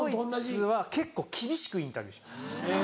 ドイツは結構厳しくインタビューします。